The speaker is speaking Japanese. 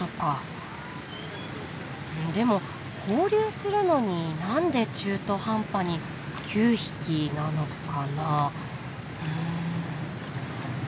でも放流するのに何で中途半端に９匹なのかな？